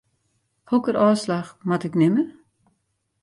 Hokker ôfslach moat ik nimme?